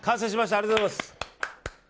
ありがとうございます。